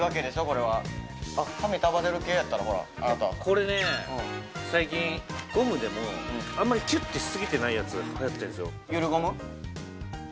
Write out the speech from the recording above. これはあっ髪束ねる系やったらほらあなたこれね最近ゴムでもあんまりキュッてしすぎてないやつ流行ってんですよ